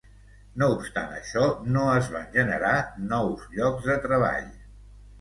No obstant això, no es van generar nous llocs de treball.